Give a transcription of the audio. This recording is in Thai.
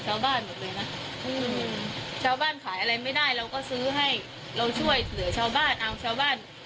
ชาวบ้านขายอะไรไม่ได้เราก็ซื้อให้เราช่วยเผื่อชาวบ้านเอาชาวบ้าน